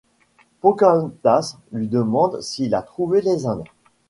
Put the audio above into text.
Pocahontas lui demande s'il a trouvé les Indes.